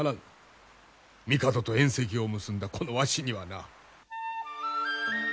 帝と縁戚を結んだこのわしにはな。